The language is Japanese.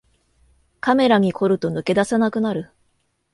カメラに凝ると抜け出せなくなる